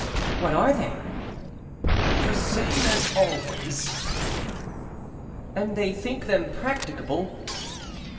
What are they?" "The same always." "And they think them practicable?"